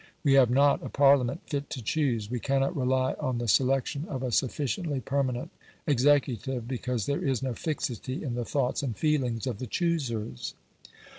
We have not a Parliament fit to choose; we cannot rely on the selection of a sufficiently permanent executive, because there is no fixity in the thoughts and feelings of the choosers.